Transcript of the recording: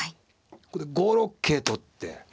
ここで５六桂と打って。